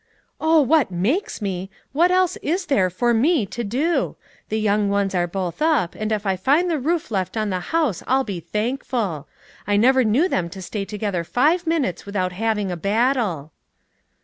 "Oh, what makes me! What else is there for me to do? The young ones are both up, and if I find the roof left on the house I'll be thankful. I never knew them to stay together five minutes without having a battle."